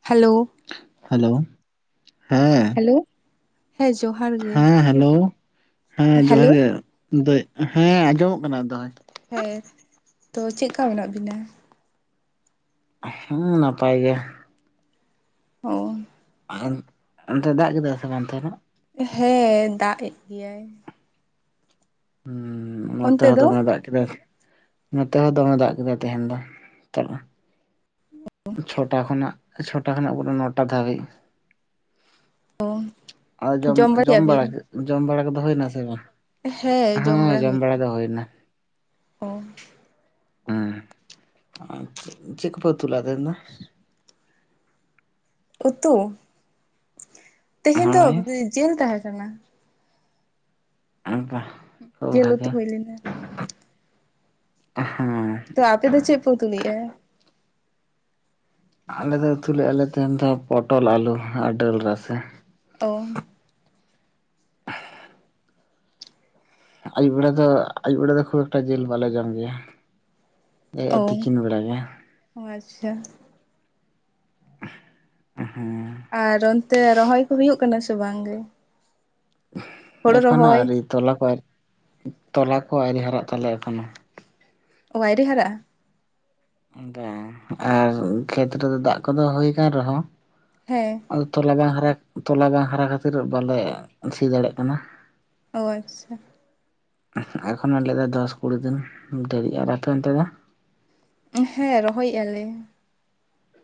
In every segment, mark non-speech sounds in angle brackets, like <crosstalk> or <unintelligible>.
Hello. Hello ᱦᱮᱸ᱾ Hello. ᱦᱮᱸ ᱡᱚᱦᱟᱨ ᱜᱮ ᱦᱮᱸ ᱦᱮᱞᱳ ᱦᱮᱸ ᱦᱮᱞᱳ ᱡᱚᱦᱟᱨ ᱜᱮ ᱫᱟᱹᱭ ᱦᱮᱸ ᱟᱸᱡᱚᱢᱚᱜ ᱠᱟᱱᱟ ᱫᱚᱦᱚᱭ᱾ ᱦᱮᱸ ᱛᱚ ᱪᱮᱜᱠᱟ ᱢᱮᱱᱟᱜ ᱵᱤᱱᱟ? ᱦᱩᱸ ᱱᱟᱯᱟᱭ ᱜᱮ᱾ ᱚ᱾ ᱟ ᱚᱱᱛᱮ ᱫᱟᱜ ᱠᱮᱫᱟᱭ ᱥᱮ ᱵᱟᱝ ᱛᱟᱦᱚᱞᱮ? ᱦᱮᱸ ᱫᱟᱜ ᱮᱜ ᱜᱮᱭᱟᱭ᱾ ᱦᱩᱸ ᱱᱚᱛᱮ ᱚᱱᱛᱮ ᱦᱚᱸ ᱫᱚ ᱫᱚᱢᱮ ᱫᱟᱜ ᱠᱮᱫᱟᱭ᱾ ᱱᱚᱛᱮ ᱦᱚᱸ ᱫᱚᱢᱮ ᱫᱟᱜ ᱠᱮᱫᱟᱭ ᱛᱮᱦᱮᱱ ᱫᱚ ᱥᱮᱛᱟᱜ ᱠᱷᱚᱱ᱾ <inaudible> ᱪᱷᱚᱴᱟ ᱠᱷᱚᱱᱟᱜ ᱪᱷᱚᱴᱟ ᱠᱷᱚᱱᱟᱜ ᱯᱩᱨᱟᱹ ᱢᱚᱴᱟ ᱱᱚᱴᱟ ᱫᱷᱟᱹᱵᱤᱡ᱾ ᱟ ᱡᱚᱢ ᱡᱚᱢ ᱵᱟᱲᱟ ᱠᱮᱜ ᱡᱚᱢ ᱵᱟᱲᱟ ᱠᱚᱫᱚ ᱦᱳᱭᱱᱟ ᱥᱮ ᱵᱟᱝ? ᱦᱮᱸ ᱡᱚᱢ ᱵᱟᱲᱟ ᱫᱚ ᱦᱩᱭᱱᱟ᱾ ᱚ᱾ ᱩᱸ ᱟ ᱪᱮᱫ ᱠᱚᱯᱮ ᱩᱛᱩ ᱞᱟᱜᱼᱟ ᱛᱮᱦᱮᱧ ᱫᱚ? ᱩᱛᱩ? ᱛᱮᱦᱮᱧ ᱫᱚ ᱡᱮᱞ ᱛᱟᱦᱮᱸ ᱠᱟᱱᱟ᱾ ᱵᱟᱦ ᱠᱷᱩᱵ ᱡᱤᱞ ᱩᱛᱩ ᱵᱷᱟᱜᱤ ᱦᱩᱭ ᱞᱮᱱᱟ ᱦᱩ᱾ ᱛᱚ ᱟᱯᱮ ᱫᱚ ᱪᱮᱫ ᱯᱮ ᱩᱛᱩ ᱞᱮᱜᱼᱟ? ᱟᱞᱮ ᱫᱚ ᱩᱛᱩ ᱞᱮᱜᱼᱟᱞᱮ ᱛᱮᱦᱮᱱ ᱫᱚ ᱯᱚᱴᱚᱞ ᱟᱞᱩ ᱟᱨ ᱰᱟᱹᱞ ᱨᱟᱥᱮ᱾ ᱚ᱾ ᱟᱹᱭᱩᱵ ᱵᱮᱲᱟ ᱫᱚ ᱟᱹᱭᱩᱵ ᱵᱮᱲᱟ ᱫᱚ ᱠᱷᱩᱵ ᱮᱠᱴᱟ ᱡᱤᱞ ᱵᱟᱞᱮ ᱡᱚᱢ ᱜᱮᱭᱟ᱾ ᱮᱸ ᱛᱤᱠᱤᱱ ᱵᱮᱲᱟ ᱜᱮ᱾ ᱚ ᱟᱪᱪᱷᱟ᱾ ᱦᱩᱸ ᱟᱨ ᱚᱱᱛᱮ ᱨᱚᱦᱚᱭ ᱠᱚ ᱦᱩᱭᱩᱜ ᱠᱟᱱᱟ ᱥᱮ ᱵᱟᱝ ᱜᱮ? ᱦᱳᱲᱳ ᱮᱠᱷᱚᱱᱚ ᱨᱚᱦᱚᱭ ᱟᱹᱣᱨᱤ ᱛᱚᱞᱟ ᱠᱚ ᱛᱚᱞᱟ ᱠᱚ ᱟᱹᱣᱨᱤ ᱦᱟᱨᱟᱜ ᱛᱟᱞᱮᱭᱟ ᱮᱠᱷᱚᱱᱳ᱾ ᱚ ᱟᱭᱨᱤ ᱦᱟᱨᱟᱜᱼᱟ᱾ ᱫᱟ ᱟᱨ ᱠᱷᱮᱛ ᱨᱮᱫᱚ ᱫᱟᱜᱽ ᱠᱚᱫᱚ ᱦᱩᱭ ᱟᱠᱟᱱ ᱨᱮᱦᱚᱸ ᱦᱮᱸ, ᱛᱚᱞᱟ ᱵᱟᱝ ᱦᱟᱨᱟ ᱛᱚᱞᱟ ᱵᱟᱝ ᱦᱟᱨᱟ ᱠᱷᱟᱹᱛᱤᱨ ᱵᱟᱞᱮ ᱥᱤ ᱫᱟᱲᱮᱜ ᱠᱟᱱᱟ᱾ ᱚ ᱟᱪᱪᱷᱟ᱾ ᱮᱠᱷᱚᱱᱚ ᱞᱟᱹᱭᱫᱟ ᱫᱚᱥ ᱠᱩᱲᱤ ᱫᱤᱱ ᱫᱮᱨᱤᱜᱼᱟ᱾ ᱟᱯᱮ ᱚᱱᱛᱮ ᱫᱚ? ᱦᱮᱸ ᱨᱚᱦᱚᱭᱮ ᱟᱞᱮ᱾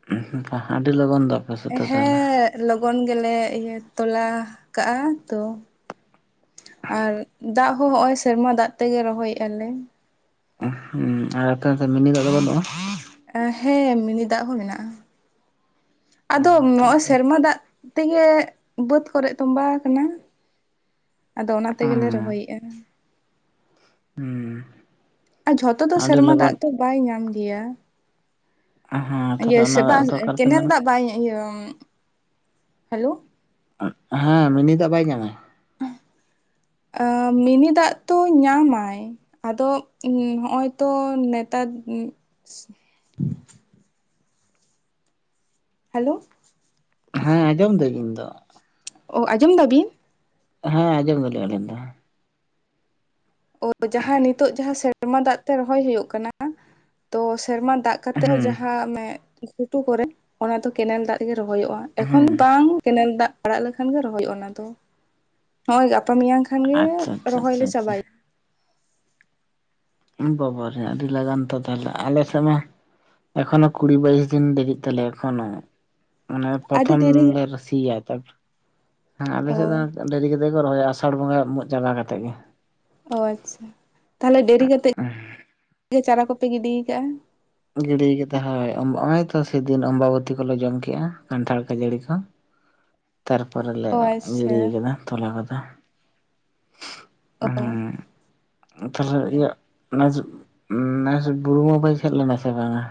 ᱦᱩᱸ ᱦᱩᱸ ᱟᱹᱰᱤ ᱞᱚᱜᱚᱱ ᱫᱚ, ᱥᱮᱫ ᱫᱚ ᱛᱟᱦᱚᱞᱮ ᱦᱮᱸ ᱞᱚᱜᱚᱱ ᱜᱮᱞᱮ ᱤᱭᱟᱹ ᱛᱚᱞᱟ ᱠᱟᱜᱼᱟ ᱛᱚ, ᱟᱨ ᱫᱟᱜᱽ ᱦᱚᱸ ᱦᱚᱸᱜᱼᱚᱭ ᱥᱮᱨᱢᱟ ᱫᱟᱜᱽ ᱛᱮᱜᱮ ᱨᱚᱦᱚᱭᱮ ᱟᱞᱮ᱾ ᱟᱨ ᱚᱱᱛᱮ ᱱᱚᱛᱮ ᱢᱤᱱᱤ ᱫᱟᱜᱽ ᱫᱚ ᱵᱟᱹᱱᱩᱜᱼᱟ? ᱦᱮᱸ ᱢᱤᱱᱤ ᱫᱟᱜᱽ ᱦᱚᱸ ᱢᱮᱱᱟᱜᱼᱟ᱾ ᱟᱫᱚ ᱦᱩᱸ ᱱᱚᱜᱼᱚᱭ ᱥᱮᱨᱢᱟ ᱫᱟᱜᱽ ᱛᱮᱜᱮ ᱵᱟᱹᱫᱽ ᱠᱚᱨᱮ ᱛᱚᱸᱵᱟᱣ ᱟᱠᱟᱱᱟ, ᱟᱫᱚ ᱚᱱᱟ ᱛᱮᱜᱮᱞᱮ ᱨᱚᱦᱚᱭᱮᱼᱟ᱾ ᱦᱩᱸ ᱟᱨ ᱡᱷᱚᱛᱚ ᱫᱚ ᱟᱹᱰᱤ ᱥᱮᱨᱢᱟ ᱫᱟᱜᱽ ᱞᱚᱜᱚᱱ ᱛᱚ ᱵᱟᱭ ᱧᱟᱢ ᱜᱮᱭᱟ᱾ ᱦᱮᱸ ᱤᱭᱟᱹ ᱛᱟᱦᱞᱮ ᱚᱱᱟ ᱥᱮᱛᱟ ᱫᱟᱜ ᱫᱚ ᱚᱠᱟ ᱨᱮᱯᱮ ᱠᱮᱱᱮᱞ ᱧᱟᱢᱟ ᱫᱟᱜᱽ ᱵᱟᱭ ᱧᱟ ᱤᱭᱟᱹ ᱦᱮᱞᱳ, ᱦᱮᱸ ᱢᱤᱱᱤ ᱫᱟᱜᱽ ᱵᱟᱭ ᱧᱟᱢᱟ? ᱟᱸ ᱢᱤᱱᱤ ᱫᱟᱜᱽ ᱛᱚ ᱧᱟᱢᱟᱭ᱾ ᱟᱫᱚ ᱱᱚᱜᱼᱚᱭ ᱛᱚ ᱱᱮᱛᱟᱨ, ᱦᱮᱞᱳ, ᱦᱮᱸ ᱟᱸᱡᱚᱢ ᱫᱟᱹᱧ ᱤᱧ ᱫᱚ᱾ ᱚ ᱟᱸᱡᱚᱢ ᱫᱟᱵᱤᱱ? ᱦᱮᱸ ᱟᱸᱡᱚᱢ ᱫᱟᱞᱤᱧ ᱟᱹᱞᱤᱧ ᱫᱚ᱾ ᱚ ᱡᱟᱦᱟᱸ ᱱᱤᱛᱚᱜ ᱡᱟᱦᱟᱸ ᱥᱮ ᱥᱮᱨᱢᱟ ᱫᱟᱜᱽ ᱛᱮ ᱨᱚᱦᱚᱭ ᱦᱩᱭᱩᱜ ᱠᱟᱱᱟ ᱛᱚ ᱥᱮᱨᱢᱟ ᱫᱟᱜᱽ ᱠᱟᱛᱮᱜ ᱦᱚᱸ ᱦᱮᱸ ᱡᱟᱦᱟᱸ ᱚᱱᱮ ᱟ. ᱛᱚ ᱠᱚᱨᱮ ᱚᱱᱟ ᱫᱚ ᱠᱮᱱᱮᱞ ᱫᱟᱜᱽ ᱛᱮᱜᱮ ᱨᱚᱦᱚᱭᱚᱜᱼᱟ ᱮᱠᱷᱚᱱ ᱦᱮᱸ ᱵᱟᱝ ᱠᱮᱱᱮᱞ ᱫᱟᱜᱽ ᱟᱲᱟᱜ ᱞᱮᱠᱷᱟᱱ ᱜᱮ ᱨᱚᱦᱚᱭᱚᱜᱼᱟ ᱚᱱᱟ ᱫᱚ, ᱱᱚᱜᱼᱚᱭ ᱜᱟᱯᱟ ᱢᱮᱭᱟᱝ ᱠᱷᱟᱱ ᱜᱮ ᱟᱪᱪᱷᱟ ᱟᱪᱪᱷᱟ ᱨᱚᱦᱚᱭ ᱟᱪᱪᱷᱟ ᱞᱮ ᱪᱟᱵᱟᱭᱟ᱾ ᱟᱪᱪᱷᱟ ᱩᱸ ᱵᱟᱵᱟ ᱨᱮ ᱟᱹᱰᱤ ᱞᱟᱜᱟᱱ ᱛᱚ ᱛᱟᱦᱚᱞᱮ ᱟᱞᱮ ᱥᱮᱜ ᱢᱟ, ᱮᱠᱷᱚᱱᱳ ᱠᱩᱲᱤ ᱵᱟᱭᱤᱥ ᱫᱤᱱ ᱫᱮᱨᱤ ᱛᱟᱞᱮᱭᱟ ᱮᱠᱷᱚᱱᱳ᱾ ᱢᱟᱱᱮ ᱟᱹᱰᱤ ᱯᱨᱚᱛᱷᱚᱢ ᱫᱮᱨᱤ ᱞᱮ ᱨᱟᱥᱤᱭᱟ ᱛᱟᱨᱯᱚᱨ ᱦᱮᱸ ᱟᱞᱮ ᱚ ᱥᱮᱜ ᱫᱚ ᱰᱮᱨᱤ ᱠᱟ ᱠᱟᱛᱮ ᱜᱮᱠᱚ ᱨᱚᱦᱚᱭᱟ ᱟᱥᱟᱲ ᱵᱚᱸᱜᱟ ᱢᱚ ᱪᱟᱵᱟ ᱠᱟᱛᱮ ᱜᱮ᱾ ᱚ ᱟᱪᱷᱟ ᱛᱟᱦᱚᱞᱮ ᱫᱮᱨᱤ ᱠᱟᱛᱮᱫ ᱜᱮ ᱪᱟᱨᱟ ᱠᱚᱯᱮ ᱜᱤᱰᱤ ᱟᱠᱟᱜᱼᱟ? ᱜᱤᱰᱤ ᱠᱟᱫᱟ ᱦᱳᱭ ᱱᱚᱜ-ᱚᱭ ᱛᱚ ᱥᱮᱫᱤᱱ ᱚᱢᱵᱟᱵᱛᱤ ᱠᱚᱞᱮ ᱡᱚᱢ ᱠᱮᱜᱼᱟ ᱠᱟᱱᱴᱷᱟᱲ ᱠᱷᱟᱹᱡᱟᱹᱲᱤ ᱠᱚ, ᱛᱟᱨᱯᱚᱨᱮ ᱞᱮ ᱚ ᱟᱪᱪᱷᱟ ᱜᱤᱲᱤ ᱠᱟᱫᱟ ᱛᱚᱞᱟ ᱠᱚᱫᱚ᱾ ᱚᱜ ᱼᱚ ᱦᱮᱸ ᱛᱟᱦᱚᱞᱮ ᱤᱭᱟᱹ ᱱᱮᱥ ᱱᱮᱥ ᱵᱩᱨᱩ ᱵᱚᱸᱜᱟ ᱯᱮ ᱪᱟᱞᱟᱣ ᱞᱮᱱᱟ ᱥᱮ ᱵᱟᱝᱟ?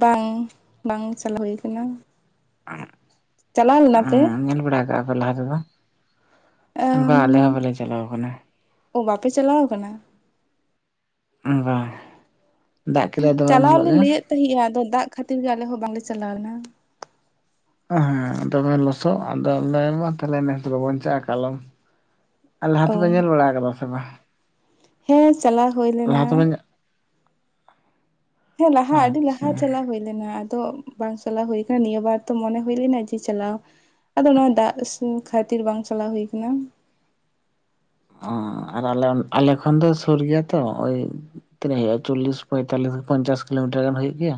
ᱵᱟᱝ ᱵᱟᱝ ᱪᱟᱞᱟᱣ ᱦᱩᱭ ᱠᱟᱱᱟ᱾ ᱪᱟᱞᱟᱣ ᱞᱮᱱᱟ ᱯᱮ ᱦᱩᱸ ᱧᱮᱞ ᱵᱟᱲᱟ ᱟᱠᱟ ᱟᱯᱮ ᱞᱟᱦᱟ ᱛᱮᱫᱚ? ᱵᱟ ᱟᱞᱮ ᱦᱚᱸ ᱵᱟᱞᱮ ᱪᱟᱞᱟᱣ ᱠᱟᱱᱟ᱾ ᱚ ᱵᱟᱯᱮ ᱪᱟᱞᱟᱣ ᱠᱟᱱᱟ ᱵᱟᱝ ᱫᱟᱜ ᱠᱮᱫᱟᱭ ᱟᱫᱚ ᱪᱟᱞᱟᱣ ᱞᱮ ᱞᱟᱹᱭᱮᱫ ᱛᱟᱦᱮᱸᱜᱼᱟ ᱟᱫᱚ ᱫᱟᱜ ᱠᱷᱟᱹᱛᱤᱨ ᱜᱮ ᱟᱞᱮ ᱦᱚᱸ ᱵᱟᱝᱞᱮ ᱪᱟᱞᱟᱣ ᱞᱮᱱᱟ᱾ ᱦᱮᱸ ᱦᱮᱸ ᱦᱮᱸ ᱫᱚᱢᱮ ᱞᱚᱥᱚᱫ ᱟᱫᱚ ᱰᱟᱭᱵᱟᱨ ᱛᱟᱞᱮ ᱱᱮᱥ ᱵᱟᱵᱚᱱ ᱪᱟᱜ-ᱟ ᱠᱟᱞᱚᱢ᱾ ᱞᱟᱦᱟ ᱚ ᱛᱮᱫᱚ ᱧᱮᱞ ᱵᱟᱲᱟ ᱠᱟᱫᱟ ᱥᱮ ᱵᱟᱝ? ᱦᱮᱸ ᱪᱟᱞᱟᱣ ᱦᱩᱭ ᱞᱮᱱᱟ᱾ ᱞᱟᱦᱟ ᱛᱮᱯᱮ ᱦᱮᱸ ᱞᱟᱦᱟ ᱟᱹᱰᱤ ᱟᱪᱪᱷᱟ ᱞᱟᱦᱟ ᱪᱟᱞᱟ ᱦᱩᱭ ᱞᱮᱱᱟ ᱟᱫᱚ ᱵᱟᱝ ᱪᱟᱞᱟᱣ ᱦᱩᱭ ᱟᱠᱟᱱᱟ ᱱᱤᱭᱟᱹ ᱵᱟᱨ ᱛᱚ ᱢᱚᱱᱮ ᱦᱩᱭ ᱞᱮᱱᱟ ᱡᱮ ᱪᱟᱞᱟᱣ ᱟᱫᱚ ᱱᱚᱜ-ᱚᱭ ᱫᱟᱜ ᱠᱷᱟᱹᱛᱤᱨ ᱵᱟᱝ ᱪᱟᱞᱟᱣ ᱦᱩᱭ ᱟᱠᱟᱱᱟ᱾ ᱚᱸ ᱟᱨ ᱟᱞᱮ ᱚ ᱟᱞᱮ ᱠᱷᱚᱱ ᱫᱚ ᱥᱩᱨ ᱜᱮᱭᱟ ᱛᱚ ᱳᱭ ᱛᱤᱱᱟᱹᱜ ᱦᱩᱭᱩᱜᱼᱟ ᱪᱚᱞᱞᱤᱥ ᱯᱚᱸᱭᱛᱟᱞᱤᱥ ᱯᱚᱸᱧᱪᱟᱥ ᱠᱤᱞᱳᱢᱤᱴᱟᱨ ᱜᱟᱱ ᱦᱩᱭᱩᱜ ᱜᱮᱭᱟ᱾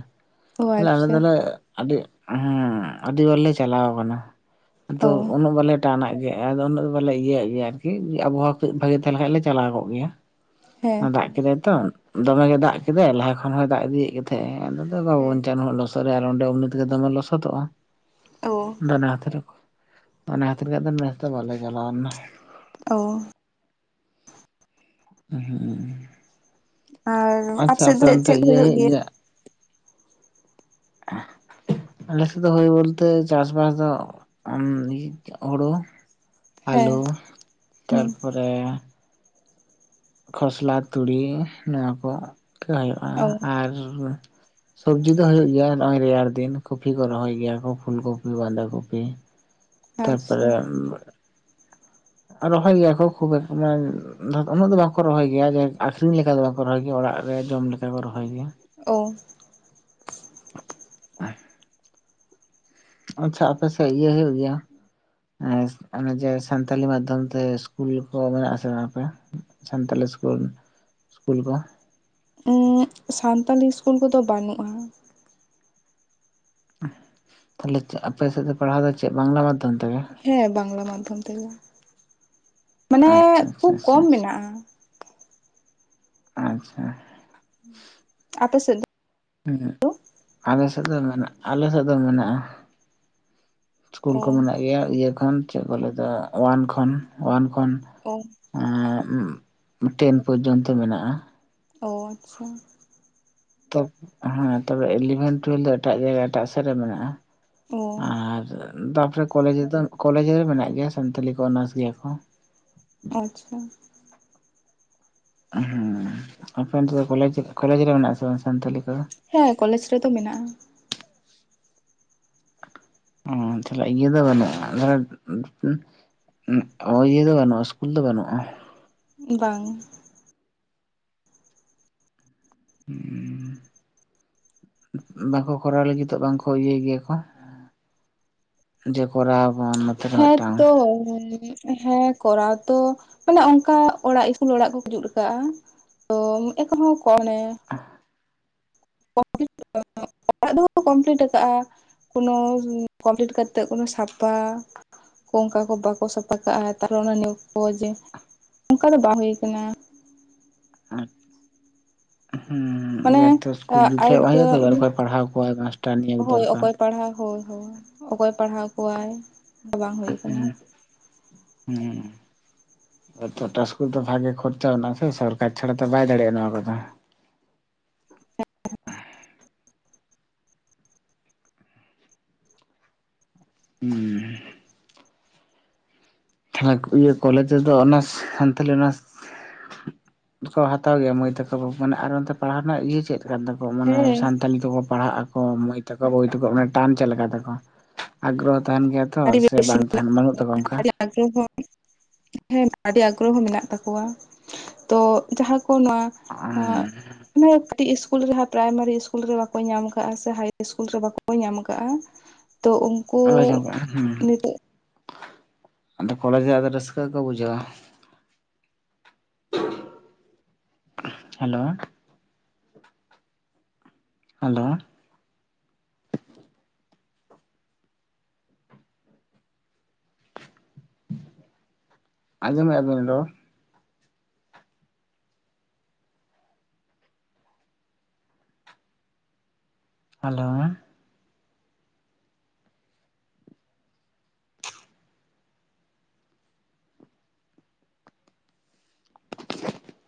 ᱚ ᱛᱟᱦᱞᱮ ᱟᱞᱮ ᱟᱪᱪᱷᱟ ᱫᱚᱞᱮ ᱟᱹᱰᱤ ᱦᱮᱸ ᱟᱹᱰᱤ ᱵᱟᱨ ᱞᱮ ᱪᱟᱞᱟᱣ ᱠᱟᱱᱟ᱾ ᱟᱫᱚ ᱚ ᱩᱱᱟᱹᱜ ᱵᱟᱞᱮ ᱴᱟᱱᱟᱜ ᱜᱮᱭᱟ ᱟᱫᱚ ᱩᱱᱟᱹᱜ ᱫᱚ ᱵᱟᱞᱮ ᱤᱭᱟᱹᱣᱟᱜ ᱜᱮᱭᱟ ᱟᱨᱠᱤ᱾ ᱟᱵᱚᱦᱟᱣᱟ ᱠᱟᱹᱡ ᱵᱷᱟᱜᱮ ᱛᱟᱦᱮᱸ ᱞᱮᱱ ᱠᱷᱟᱱ ᱞᱮ ᱪᱟᱞᱟᱣ ᱠᱚᱜ ᱜᱮᱭᱟ ᱦᱮᱸ ᱫᱟᱜ ᱠᱮᱫᱟᱭ ᱛᱚ ᱫᱚᱢᱮ ᱜᱮ ᱫᱟᱜ ᱠᱮᱫᱟᱭ ᱞᱟᱦᱟ ᱠᱷᱚᱱ ᱦᱚᱭ ᱫᱟᱜ ᱤᱫᱤᱭᱮᱫ ᱜᱮ ᱛᱟᱦᱮᱸ-ᱮ ᱟᱫᱚ ᱵᱟᱵᱚᱱ ᱦᱮᱸ ᱪᱟᱞᱟ ᱱᱩᱱᱟᱹᱜ ᱞᱚᱥ᱾ <unintelligible> ᱟᱨ ᱚᱸᱰᱮ ᱚᱢᱱᱤ ᱛᱮᱜᱮ ᱫᱚᱢᱮ ᱞᱚᱥᱚᱫᱚᱜᱼᱟ ᱾ ᱚ ᱾ <unintelligible> ᱵᱟᱞᱮ ᱪᱟᱞᱟᱣ ᱞᱮᱱᱟ ᱚ ᱾ ᱦᱩᱸ ᱟᱨ ᱟᱪᱪᱷᱟ ᱥᱮᱫ ᱟᱯᱮ ᱫᱚ ᱚᱱᱛᱮ ᱪᱮᱫ ᱠᱚ ᱤᱭᱟᱹ ᱦᱩᱭᱩᱜ ᱜᱮᱭᱟ? <inaudible> ᱟᱞᱮ ᱥᱮᱫ ᱫᱚ ᱦᱩᱭ ᱵᱚᱞᱛᱮ ᱪᱟᱥᱵᱟᱥ ᱫᱚ ᱦᱳᱲᱳ ᱾ ᱦᱮᱸ ᱟᱹᱞᱩ ᱦᱩᱸ ᱛᱟᱨᱯᱚᱨᱮ ᱠᱷᱚᱥᱞᱟ ᱛᱩᱲᱤ ᱱᱚᱣᱟ ᱠᱚ ᱜᱮ ᱦᱳᱭᱳᱜᱼᱟ ᱾ ᱚ ᱾ ᱟᱨ ᱥᱚᱵᱡᱤ ᱫᱚ ᱦᱩᱭᱩᱜ ᱜᱮᱭᱟ ᱱᱚᱜᱚᱭ ᱨᱮᱭᱟᱲ ᱫᱤᱱ ᱠᱚᱯᱤ ᱠᱚ ᱨᱚᱦᱚᱭ ᱜᱮᱭᱟ ᱠᱚ ᱯᱷᱩᱞ ᱠᱚᱯᱤ ᱵᱟᱸᱫᱷᱟ ᱠᱚᱯᱤ ᱾ ᱟᱪᱪᱷᱟ ᱛᱟᱨᱯᱚᱨᱮ ᱨᱚᱦᱚᱭ ᱜᱮᱭᱟ ᱠᱚ ᱠᱷᱩᱵ ᱮ ᱢᱮᱱ ᱩᱱᱟᱹᱜ ᱫᱚ ᱵᱟᱝᱠᱚ ᱨᱚᱦᱚᱭ ᱜᱮᱭᱟ ᱡᱮ ᱟᱠᱷᱨᱤᱧ ᱞᱮᱠᱟ ᱫᱚ ᱵᱟᱠᱚ ᱨᱚᱦᱚᱭ ᱜᱮᱭᱟ ᱚᱲᱟᱜ ᱨᱮ ᱡᱚᱢ ᱞᱮᱠᱟ ᱠᱚ ᱨᱚᱦᱚᱭ ᱜᱮᱭᱟ ᱾ ᱚ ᱾ ᱮᱸ ᱟᱪᱪᱷᱟ ᱟᱯᱮ ᱥᱮᱛ ᱜᱮ ᱦᱩᱭᱩᱜ ᱜᱮᱭᱟ? ᱮ ᱚᱱᱮ ᱡᱮ ᱥᱟᱱᱛᱟᱞᱤ ᱢᱟᱫᱽᱫᱷᱚᱢ ᱛᱮ ᱥᱠᱩᱞ ᱠᱚ ᱢᱮᱱᱟᱜ ᱟᱥᱮ ᱵᱟᱝ <unintelligible> ᱥᱟᱱᱛᱟᱞᱤ ᱥᱠᱩᱞ ᱥᱠᱩᱞ ᱠᱚ ᱩᱸ ᱥᱟᱱᱛᱟᱞᱤ ᱤᱥᱠᱩᱞ ᱠᱚᱫᱚ ᱵᱟᱹᱱᱩᱜᱼᱟ ᱾ ᱛᱟᱞᱦᱮ ᱟᱯᱮ ᱥᱮᱫ ᱫᱚ ᱯᱟᱲᱦᱟᱣ ᱫᱚ ᱪᱮᱫ ᱵᱟᱝᱞᱟ ᱢᱟᱫᱽᱫᱷᱚᱢ ᱛᱮᱜᱮ? ᱦᱮᱸ ᱵᱟᱝᱞᱟ ᱢᱟᱫᱽᱫᱷᱚᱢ ᱛᱮᱜᱮ ᱢᱟᱱᱮ ᱟᱪᱪᱷᱟ ᱟᱪᱪᱷᱟ ᱠᱷᱩᱵ ᱟᱪᱪᱷᱟ ᱠᱚᱢ ᱟᱪᱪᱷᱟ ᱢᱮᱱᱟᱜᱼᱟ ᱾ ᱟᱪᱪᱷᱟ ᱾ ᱟᱯᱮ ᱥᱮᱫ ᱫᱚ? ᱦᱩᱸ ᱟᱞᱮ ᱥᱮᱫ ᱫᱚ ᱢᱮᱱᱟᱜᱼᱟ ᱟᱞᱮ ᱥᱮᱫ ᱫᱚ ᱢᱮᱱᱟᱜᱼᱟ ᱾ ᱤᱥᱠᱩᱞ ᱚ ᱠᱚ ᱢᱮᱱᱟᱜ ᱜᱮᱭᱟ ᱤᱭᱟᱹ ᱠᱷᱚᱱ ᱪᱮᱫ ᱠᱚ ᱞᱟᱹᱭᱫᱟ ᱣᱟᱱ ᱠᱷᱚᱱ ᱣᱟᱱ ᱠᱷᱚᱱ ᱾ ᱚ ᱾ ᱟᱸ ᱴᱮᱱ ᱯᱚᱨᱡᱚᱱᱛᱚ ᱢᱮᱱᱟᱜᱼᱟ ᱾ ᱚ ᱟᱪᱪᱷᱟ ᱾ ᱛᱚᱯ ᱦᱮᱸ ᱛᱚᱵᱮ ᱮᱞᱤᱵᱷᱮᱱ ᱴᱩᱭᱮᱞᱵᱷ ᱫᱚ ᱮᱴᱟᱜ ᱡᱟᱭᱜᱟ ᱮᱴᱟᱜ ᱥᱮᱫ ᱨᱮ ᱢᱮᱱᱟᱜᱼᱟ᱾ ᱚ ᱟᱨ ᱛᱟᱯᱚᱨᱮ ᱠᱚᱞᱮᱡᱽ ᱨᱮᱫᱚ ᱠᱚᱞᱮᱡᱽ ᱨᱮ ᱢᱮᱱᱟᱜ ᱜᱮᱭᱟ, ᱥᱟᱱᱛᱟᱞᱤ ᱠᱚ ᱚᱱᱟᱨᱥ ᱜᱮᱭᱟ ᱠᱚ ᱾ ᱟᱪᱪᱷᱟ ᱾ ᱦᱮᱸ ᱟᱯᱮ ᱚᱱᱛᱮ ᱫᱚ ᱠᱚᱞᱮᱡᱽ ᱠᱚᱞᱮᱡᱽ ᱨᱮ ᱢᱮᱱᱟᱜ ᱟᱥᱮ ᱵᱟᱝ ᱥᱟᱱᱛᱟᱞᱤ ᱠᱚᱫᱚ? ᱦᱮᱸ ᱠᱚᱞᱮᱡᱽ ᱨᱮᱫᱚ ᱢᱮᱱᱟᱜᱼᱟ ᱾ ᱚ ᱛᱟᱞᱦᱮ ᱤᱭᱟᱹ ᱫᱚ ᱵᱟᱹᱱᱩᱜᱼᱟ, ᱟᱞᱮ ᱱᱚᱜᱚᱭ ᱤᱭᱟᱹ ᱫᱚ ᱵᱟᱹᱱᱩᱜᱼᱟ, ᱤᱥᱠᱩᱞ ᱫᱚ ᱵᱟᱹᱱᱩᱜᱼᱟ? ᱵᱟᱝ ᱾ ᱩᱸ ᱵᱟᱠᱚ ᱠᱚᱨᱟᱣ ᱞᱟᱹᱜᱤᱫᱚᱜ ᱵᱟᱝ ᱠᱚ ᱤᱭᱟᱹᱭ ᱜᱮᱭᱟ ᱠᱚ ᱡᱮ ᱠᱚᱨᱟᱣ ᱟᱵᱱ ᱱᱚᱛᱮ ᱨᱮ ᱢᱮᱫᱴᱟᱝ ᱚ <unintelligible> ᱦᱮᱸ ᱠᱚᱨᱟᱣ ᱛᱚ ᱢᱟᱱᱮ ᱚᱱᱠᱟ ᱚᱲᱟᱜ ᱤᱥᱠᱩᱞ ᱚᱲᱟᱜ ᱠᱚ ᱡᱩᱛ ᱠᱟᱜᱼᱟ ᱾ ᱛᱚ ᱮᱠᱷᱚᱱ ᱦᱚᱸ ᱠᱚᱱᱮ <unintelligible> <inaudible> ᱚᱲᱟᱜ ᱫᱚᱠᱚ ᱠᱚᱢᱯᱞᱤᱴ ᱠᱟᱜᱼᱟ, ᱠᱳᱱᱳ ᱠᱚᱢᱯᱞᱤᱴ ᱠᱟᱛᱮᱜ ᱠᱳᱱᱳ ᱥᱟᱯᱷᱟ ᱚᱱᱠᱟ ᱠᱚ ᱵᱟᱠᱚ ᱥᱟᱯᱷᱟ ᱠᱟᱜᱼᱟ, ᱛᱟᱨᱚ ᱚᱱᱟ ᱱᱤᱭᱟᱹ ᱠᱚ ᱡᱮ ᱚᱱᱠᱟ ᱫᱚ ᱵᱟᱝ ᱦᱩᱭ ᱠᱟᱱᱟ ᱾ ᱟᱨ ᱩᱸ ᱦᱮᱸ ᱢᱟᱱᱮ ᱮᱵᱟᱨ ᱛᱚ ᱤᱥᱠᱩᱞ ᱡᱩᱫ ᱨᱮᱭᱟᱜ ᱟᱫᱚ ᱵᱟᱝ ᱦᱩᱭᱩᱜ ᱟᱨ ᱯᱟᱲᱦᱟᱣ ᱠᱚᱣᱟ ᱢᱟᱥᱴᱟᱨ ᱱᱤᱭ ᱠᱚ ᱦᱳᱭ ᱫᱚᱨᱠᱟᱨ᱾ ᱚᱠᱚᱭ ᱯᱟᱲᱦᱟᱣ ᱦᱳᱭ ᱦᱳᱭ ᱚᱠᱚᱭ ᱯᱟᱲᱦᱟᱣ ᱠᱚᱣᱟᱭ ᱵᱟᱝ ᱦᱩᱭ ᱟᱠᱟᱱᱟ᱾ ᱦᱩᱸ᱾ ᱴᱚᱴᱟ ᱥᱠᱩᱞ ᱫᱚ ᱵᱷᱟᱜᱮ ᱠᱷᱚᱨᱪᱟ ᱢᱮᱱᱟᱜᱼᱟ ᱥᱮ ᱥᱚᱨᱠᱟᱨ ᱪᱷᱟᱲᱟ ᱛᱚ ᱵᱟᱭ ᱫᱟᱲᱮᱭᱟᱜᱼᱟ᱾ ᱱᱚᱣᱟ ᱠᱚᱫᱚ ᱦᱩᱸ᱾ ᱛᱟᱦᱮ ᱤᱭᱟᱹ ᱠᱚᱞᱮᱡᱽ ᱨᱮᱫᱚ ᱚᱱᱟ ᱥᱟᱱᱛᱟᱲᱤ ᱚᱱᱟᱥ ᱠᱚ ᱦᱟᱛᱟᱣ ᱜᱮᱭᱟ, ᱢᱟᱹᱭ ᱛᱟᱠᱚ ᱢᱟᱱᱮ ᱟᱨ ᱚᱱᱛᱮ ᱯᱟᱲᱦᱟᱣ ᱨᱮᱱᱟᱜ ᱤᱭᱟᱹ ᱪᱮᱫ ᱠᱟᱱ ᱛᱟᱠᱚᱣᱟ ᱢᱟᱱᱮ ᱦᱮᱸ ᱥᱟᱱᱛᱟᱞᱤ ᱛᱮᱠᱚ ᱯᱟᱲᱦᱟᱜ ᱟᱠᱚ ᱢᱟᱹᱭ ᱛᱟᱠᱚ, ᱵᱟᱵᱩ ᱛᱟᱠᱚ ᱢᱟᱱᱮ ᱴᱟᱱ ᱪᱮᱫ ᱞᱮᱠᱟ ᱛᱟᱠᱚ᱾ ᱟᱜᱽᱨᱚᱦᱚ ᱛᱟᱦᱮᱱ ᱜᱮᱭᱟ ᱛᱚ ᱟᱹᱰᱤ ᱥᱮ ᱵᱮᱥᱤ ᱵᱟᱝ ᱛᱟᱦᱮᱱ ᱵᱟᱹᱱᱩᱜ ᱛᱟᱠᱚᱣᱟ᱾ ᱚᱱᱠᱟ? ᱟᱹᱰᱤ ᱟᱜᱽᱨᱚᱦᱚ ᱦᱮᱸ <unintelligible> ᱟᱹᱰᱤ ᱟᱜᱽᱨᱚᱦᱚ ᱢᱮᱱᱟᱜ ᱛᱟᱠᱚᱣᱟ᱾ ᱛᱚ ᱡᱟᱦᱟᱸ ᱠᱚ ᱱᱚᱣᱟ <unintelligible> ᱚᱱᱮ ᱠᱟᱹᱴᱤᱡ ᱤᱥᱠᱩᱞ ᱨᱮᱦ ᱯᱨᱟᱭᱢᱟᱨᱤ ᱤᱥᱠᱩᱞ ᱨᱮ ᱵᱟᱠᱚ ᱧᱟᱢ ᱠᱟᱜᱼᱟ ᱥᱮ ᱦᱟᱤᱭ ᱤᱥᱠᱩᱞ ᱨᱮ ᱵᱟᱠᱚ ᱧᱟᱢ ᱟᱠᱟᱜᱼᱟ? ᱛᱚ ᱩᱱ <unintelligible> ᱞᱚᱜ ᱦ <unintelligible> ᱟᱫᱚ ᱠᱚᱞᱮᱡᱽ ᱨᱮ ᱟᱫᱚ ᱨᱟᱹᱥᱠᱟᱹ ᱠᱚ ᱵᱩᱡᱷᱟᱹᱣᱟ᱾ Hello hello? ᱟᱡᱚᱢ ᱮᱭᱟ ᱵᱤᱱ ᱨᱚᱲ? ᱦᱮᱞᱚ᱾